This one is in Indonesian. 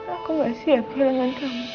aku gak siap dengan kamu